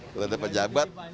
kalau ada pejabat